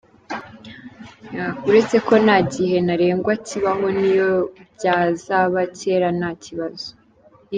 Uretse ko nta gihe ntarengwa kibaho n’iyo byazaba kera nta kibazo.